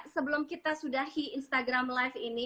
sebelum kita sudahi instagram live ini